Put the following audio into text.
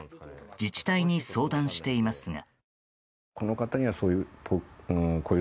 自治体に相談していますが。